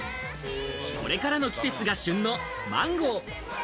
これからの季節が旬のマンゴー。